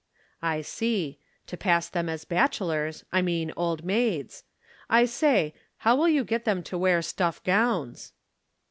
"I see. To pass them as Bachelors I mean Old Maids. I say, how will you get them to wear stuff gowns?"